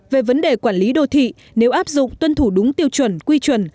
về vấn đề quản lý đô thị nếu áp dụng tuân thủ đúng tiêu chuẩn quy chuẩn